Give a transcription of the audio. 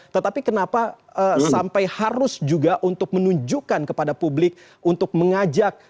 tetapi kenapa sampai harus juga untuk menunjukkan kepada publik untuk mengajak